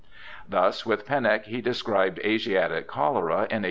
Thus with Pennock he described Asiatic cholera in 1832.